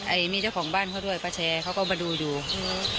มีเจ้าของบ้านเขาด้วยป้าแชร์เขาก็มาดูอยู่อืม